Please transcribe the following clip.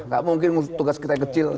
enggak mungkin ngurus tugas kita yang kecil